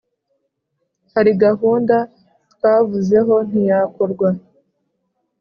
hari gahunda twavuzeho ntiyakorwa